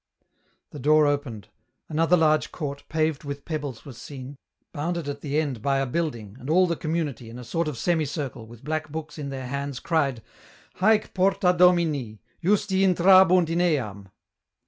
The door opened. Another large court, paved with pebbles was seen, bounded at the end by a building, and all the community, in a sort of semicircle, with black books in their hands, cried, —" Haec porta Domini : Justi intrabunt in earn."